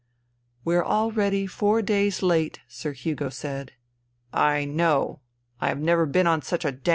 " We*re already four days late," Sir Hugo said. " I know. I have never been on such a dam.